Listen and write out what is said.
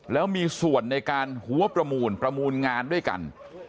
แล้วมีส่วนในการหัวประมูลประมูลงานด้วยกัน